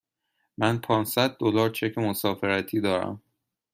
من پانصد دلار چک مسافرتی دارم.